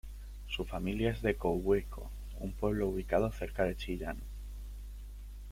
Su familia es de Coihueco, un pueblo ubicado cerca de Chillán.